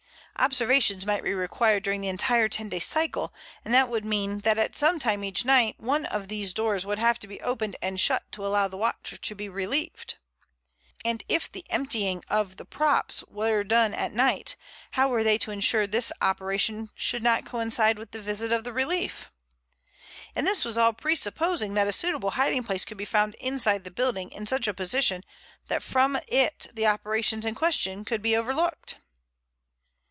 Observations might be required during the entire ten day cycle, and that would mean that at some time each night one of these doors would have to be opened and shut to allow the watcher to be relieved. And if the emptying of the props were done at night how were they to ensure that this operation should not coincide with the visit of the relief? And this was all presupposing that a suitable hiding place could be found inside the building in such a position that from it the operations in question could be overlooked.